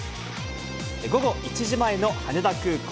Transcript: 午後１時前の羽田空港。